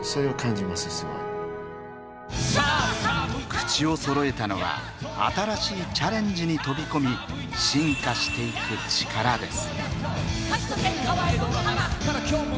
口をそろえたのは新しいチャレンジに飛び込み進化していく力です。